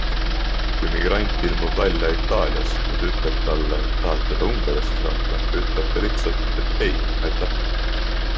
Kui migrant ilmub välja Itaalias ja sa ütled talle, et tahad teda Ungarisse saata, ütleb ta lihtsalt, et ei, aitäh.